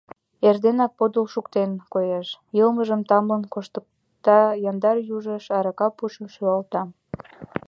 Эрденак подыл шуктен, коеш: йылмыжым тамлын коштыкта, яндар южыш арака пушым шӱлалта.